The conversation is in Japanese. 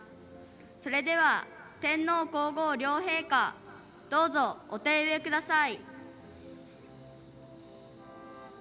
それでは、天皇皇后両陛下どうぞお手植えください。